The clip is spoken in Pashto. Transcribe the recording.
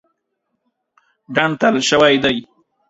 ډنډ تړل شوی دی.